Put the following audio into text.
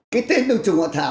cái tên đông trùng hạ thảo